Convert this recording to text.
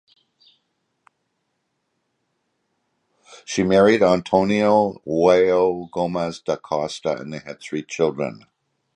She married Antonio Joao Gomes da Costa and they had three children.